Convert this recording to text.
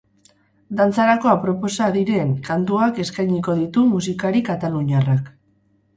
Dantzarako aproposa diren kantuak eskainiko ditu musikari kataluniarrak.